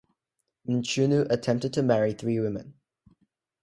Mchunu attempted to marry three women.